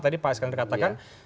tadi pak eskan terkatakan